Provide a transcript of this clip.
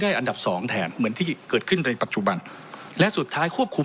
อันดับสองแทนเหมือนที่เกิดขึ้นในปัจจุบันและสุดท้ายควบคุม